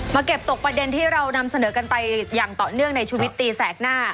เก็บตกประเด็นที่เรานำเสนอกันไปอย่างต่อเนื่องในชีวิตตีแสกหน้า